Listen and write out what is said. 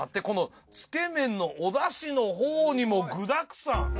このつけ麺のおだしのほうにも具だくさん。